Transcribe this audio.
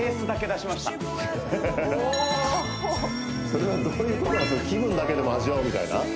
それはどういうこと気分だけでも味わうみたいな？